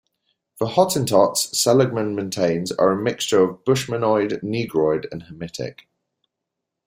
The Hottentots, Seligman maintains are a mixture of Bushmanoid, Negroid and Hamitic.